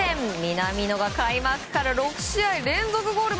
南野が開幕から６試合連続ゴール。